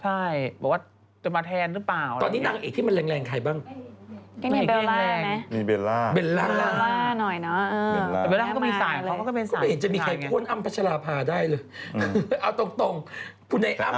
ใช่บอกว่าจะมาแทนหรือเปล่า